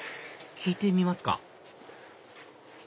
聞いてみますか？